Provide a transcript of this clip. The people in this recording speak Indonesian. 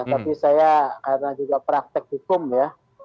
tapi saya karena juga praktek hukum ya